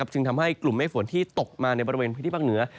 จึงทำให้กลุ่มเมฆฝนที่ตกมาในบริเวณพื้นที่ภาคเหนือ